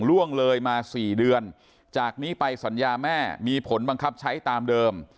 ล่วงเลยมา๔เดือนจากนี้ไปสัญญาแม่มีผลบังคับใช้ตามเดิม